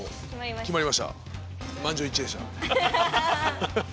決まりました。